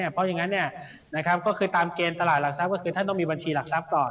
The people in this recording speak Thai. เพราะอย่างนั้นก็คือตามเกณฑ์ตลาดหลักทรัพย์ก็คือท่านต้องมีบัญชีหลักทรัพย์ก่อน